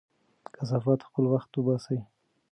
کثافات په خپل وخت وباسئ.